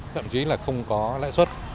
thậm chí là không có lãi suất